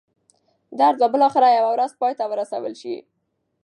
درد به بالاخره یوه ورځ پای ته ورسول شي.